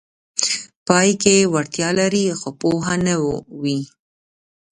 پای کې وړتیا لري خو پوه نه وي: